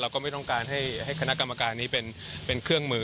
ก็ไม่ต้องการให้คณะกรรมการนี้เป็นเครื่องมือ